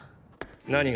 何が？